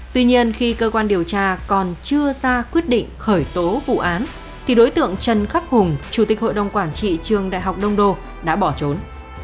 tuy nhiên khi cơ quan điều tra còn chưa ra quyết định khởi tố vụ án thì đối tượng trần khắc hùng chủ tịch hội đồng quản trị trường đại học đông đô đã bỏ trốn